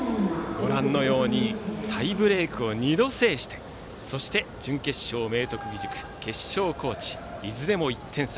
ご覧のようにタイブレークを２度制して準決勝、明徳義塾決勝、高知いずれも１点差。